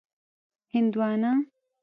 🍉 هندوانه